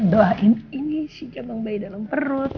doain ini si gambang bayi dalam perut